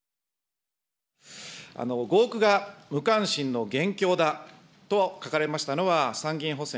合区が無関心の元凶だと書かれましたのは、参議院補選